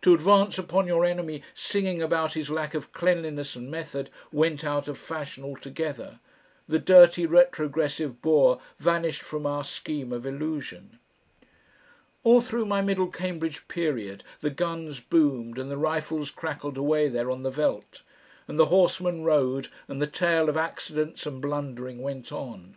To advance upon your enemy singing about his lack of cleanliness and method went out of fashion altogether! The dirty retrogressive Boer vanished from our scheme of illusion. All through my middle Cambridge period, the guns boomed and the rifles crackled away there on the veldt, and the horsemen rode and the tale of accidents and blundering went on.